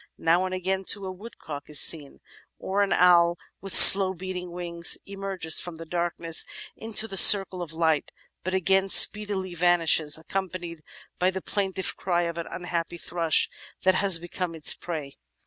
Now and again, too, a woodcock is seen ; or an owl with slow beating wings, emerges from the darkness into the circle of light, but again speedily vanishes, accompanied by the plaintive cry of an unhappy thrush that has become its prey."